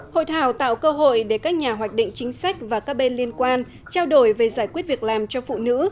hội thảo tạo cơ hội để các nhà hoạch định chính sách và các bên liên quan trao đổi về giải quyết việc làm cho phụ nữ